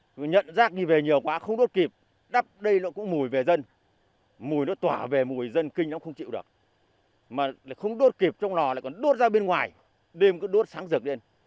nhận rác đi về nhiều quá không đốt kịp đắp đây nó cũng mùi về dân mùi nó tỏa về mùi dân kinh nó không chịu được mà không đốt kịp trong lò lại còn đốt ra bên ngoài đêm cứ đốt sáng rực lên